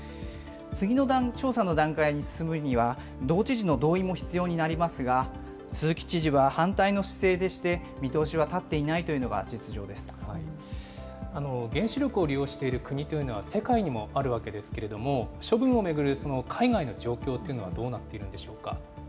次の調査の段階に進むには、道知事の同意も必要になりますが、鈴木知事は反対の姿勢でして、見通しは立っていないというのが実情原子力を利用している国というのは世界にもあるわけですけれども、処分を巡る海外の状況っていうのはどうなっているんでしょうか。